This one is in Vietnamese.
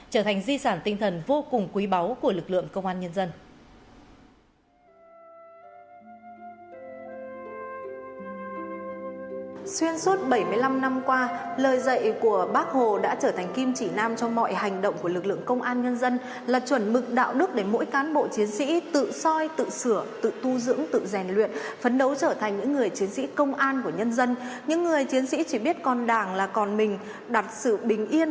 trở thành di sản tinh thần vô cùng quý báu của lực lượng công an nhân dân